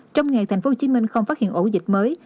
trong ngày thành phố hồ chí minh không phát hiện ổ dịch mới